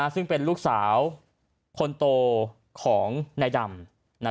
ซึ่งเป็นลูกสาวคนโตของนายดำ